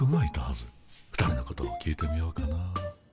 ２人のことを聞いてみようかな。